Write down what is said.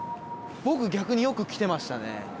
僕逆によく来てましたね。